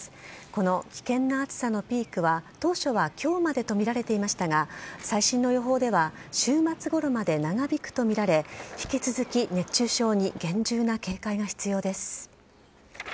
この危険な暑さのピークは当初は今日までとみられていましたが最新の予報では週末ごろまで長引くとみられ引き続き熱中症に厳重な警戒が必要です。